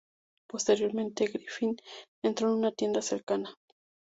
Posteriormente, Griffin entró en una tienda cercana.